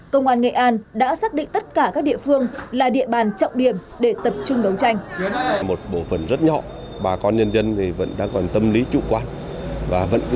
công an nghệ an đã xác định tất cả các địa phương là địa bàn trọng điểm để tập trung đấu tranh